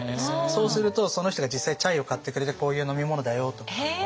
そうするとその人が実際にチャイを買ってくれてこういう飲み物だよとか。